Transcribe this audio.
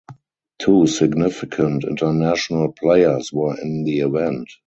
Two significant international players were in the event.